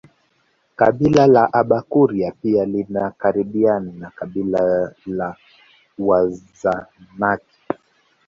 Kabila la Abakuria pia linakaribiana na kabila la Wazanaki